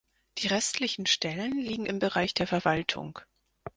Die restlichen Stellen liegen im Bereich der Verwaltung.